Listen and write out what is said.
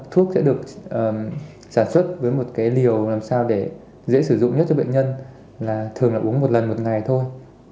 thuốc sẽ được sản xuất với một cái liều làm sao để dễ sử dụng nhất cho bệnh nhân là thường là uống một lần một ngày thôi